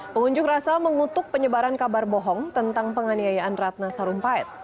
pengunjuk rasa mengutuk penyebaran kabar bohong tentang penganiayaan ratna sarumpait